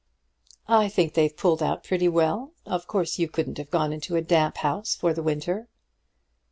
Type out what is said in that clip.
"I think they've pulled out pretty well. Of course you couldn't have gone into a damp house for the winter."